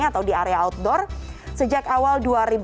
atau di area outdoor sejak awal dua ribu dua puluh